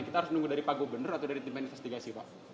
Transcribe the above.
kita harus nunggu dari pak gubernur atau dari tim investigasi pak